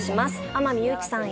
天海祐希さん